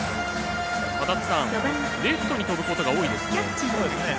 レフトに飛ぶことが多いですね。